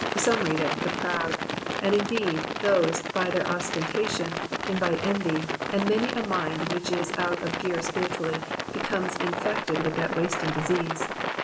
Some read it, *' the proud f ' and, indeed, these, by their ostenta tion, invite envy, and many a mind which is out of gear spiritually, becomes infected with that wasting disease.